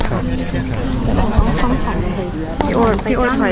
ภาษาสนิทยาลัยสุดท้าย